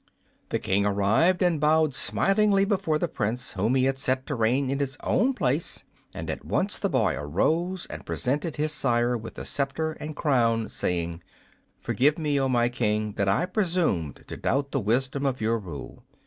The King arrived and bowed smilingly before the Prince whom he had set to reign in his own place, and at once the boy arose and presented his sire with the scepter and crown, saying, "Forgive me, oh my King, that I presumed to doubt the wisdom of your rule.